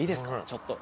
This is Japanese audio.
ちょっと。